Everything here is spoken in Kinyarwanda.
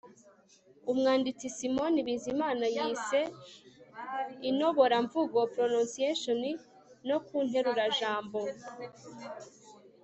umwanditsi simon bizimana yise inôobooramvûgo (prononciation) no ku nterurajambo